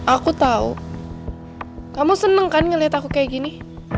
aku tahu kamu senang kan ngelihat aku kayak gini